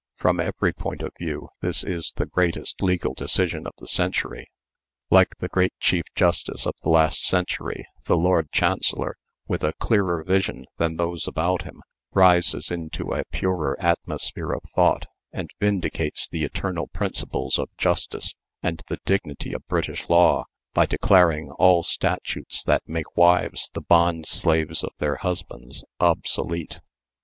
From every point of view this is the greatest legal decision of the century. Like the great Chief Justice of the last century, the Lord Chancellor, with a clearer vision than those about him, rises into a purer atmosphere of thought, and vindicates the eternal principles of justice and the dignity of British law, by declaring all statutes that make wives the bond slaves of their husbands, obsolete.